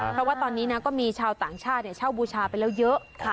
เพราะว่าตอนนี้นะก็มีชาวต่างชาติเช่าบูชาไปแล้วเยอะ